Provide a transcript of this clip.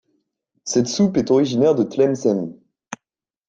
Cette soupe est originaire de Tlemcen.